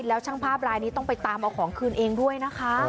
แล้วช่างภาพรายนี้ต้องไปตามเอาของคืนเองด้วยนะคะ